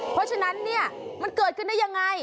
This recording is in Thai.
เพราะฉะนั้นเนี่ยมันเกิดขึ้นได้ยังไง